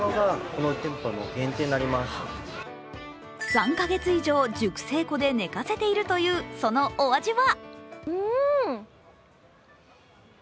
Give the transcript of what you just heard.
３か月以上、熟成庫で寝かせているという、そのお味は？